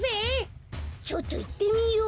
ちょっといってみよう。